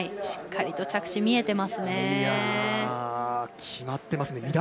しっかりと着地が見えていますね。